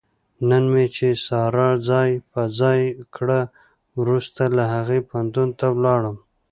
نن مې چې ساره ځای په ځای کړه، ورسته له هغې پوهنتون ته ولاړم.